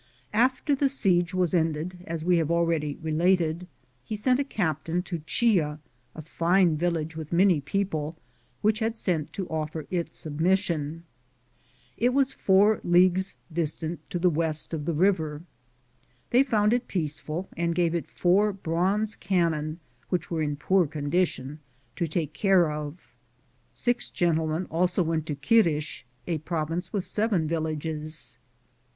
am Google THE JOURNEY OP CORONADO After the siege was ended, as we have already related, he Bent a captain to Chia, a fine village with many people, which had sent to offer its submission. It was 4 leagues distant to the west of the river. They found it peaceful and gave it four bronze cannon, which were in poor condition, to take care of. Six gentlemen also went to Quirix, a province with seven villages.